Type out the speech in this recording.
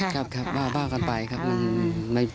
แต่คำถามค่าใจก็ยังมี